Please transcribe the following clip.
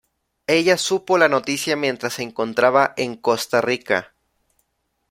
Ella supo la noticia mientras se encontraba en Costa Rica.